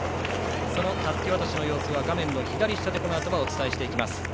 そのたすき渡しの様子画面左下でこのあともお伝えしていきます。